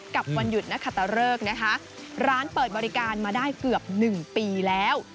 กับวันหยุดนะครับร้านเปิดบริการมาได้เกือบ๑ปีแล้ว